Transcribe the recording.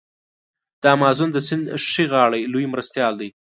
د امازون د سیند ښي غاړی لوی مرستیال دی.